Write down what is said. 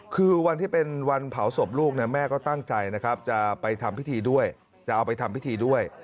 คือวันที่เป็นวันเผาศพลูกเนี่ยแม่ก็ตั้งใจนะครับจะไปทำพิธีด้วย